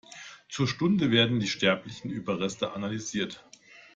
Zur Stunde werden die sterblichen Überreste analysiert.